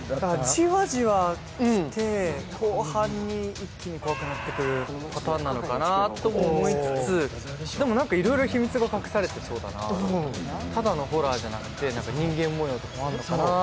じわじわきて、後半に一気に怖くなってくるパターンなのかなとも思いつつ、でもいろいろ秘密が隠されてそう、ただのホラーじゃなくて人間模様とかあるから。